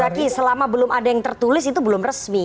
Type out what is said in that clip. tapi selama belum ada yang tertulis itu belum resmi